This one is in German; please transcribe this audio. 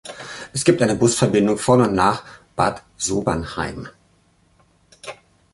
Es gibt eine Busverbindung von und nach Bad Sobernheim.